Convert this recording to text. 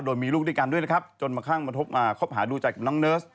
โดยมีลูกด้วยกันด้วยนะครับจนมาข้างมาคบหาดูใจกับน้องเนิร์ส